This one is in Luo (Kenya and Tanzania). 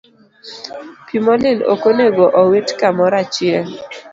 Pi molil ok onego owit kamoro achiel.